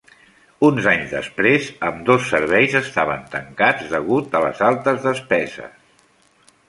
Uns anys després, ambdós serveis estaven tancats degut a les altes despeses.